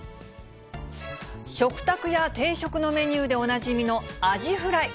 食卓や定食のメニューでおなじみのアジフライ。